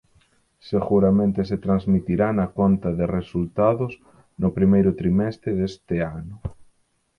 Seguramente se transmitirá na conta de resultados no primeiro trimestre deste ano".